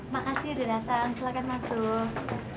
makasih sudah datang silahkan masuk